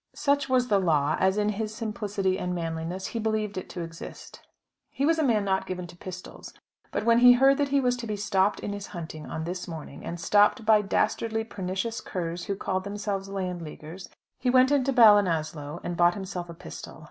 Such was the law, as in his simplicity and manliness he believed it to exist. He was a man not given to pistols; but when he heard that he was to be stopped in his hunting on this morning, and stopped by dastardly, pernicious curs who called themselves Landleaguers, he went into Ballinasloe, and bought himself a pistol.